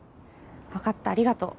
分かったありがとう。